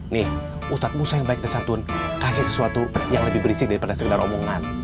nih ustadz musa yang baik dan santun kasih sesuatu yang lebih berisik daripada sekedar omongan